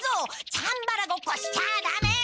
チャンバラごっこしちゃあダメ！